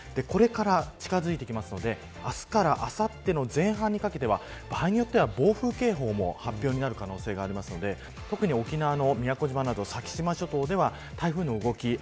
これから近づいてくるので明日からあさっての前半にかけては場合によっては暴風警報も発表になる可能性がありますので特に沖縄の宮古島など先島諸島では台風の動き